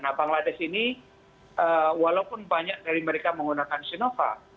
nah bangladesh ini walaupun banyak dari mereka menggunakan sinovac